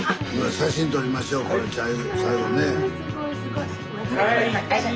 写真撮りましょう最後にね。